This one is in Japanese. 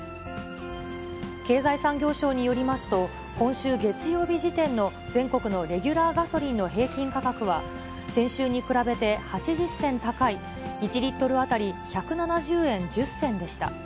経済産業省によりますと、今週月曜日時点の全国のレギュラーガソリンの平均価格は、先週に比べて８０銭高い、１リットル当たり１７０円１０銭でした。